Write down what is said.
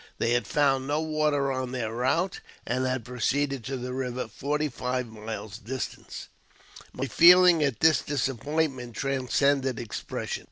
They had found no water on their route, and had proceeded to the river, forty five miles distant. My feelings at this disappointment transcended expression.